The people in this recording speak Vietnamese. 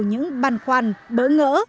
những băn khoăn bỡ ngỡ